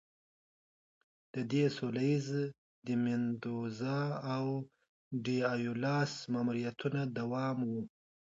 د ډي سولیز، ډي میندوزا او ډي ایولاس ماموریتونه دوام و.